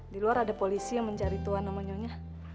di luar ada polisi yang mencari tuan sama nyonya